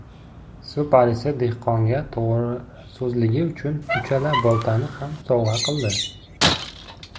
Suv parisi dehqonga toʻgʻrisoʻzligi uchun uchala boltani ham sovgʻa qildi.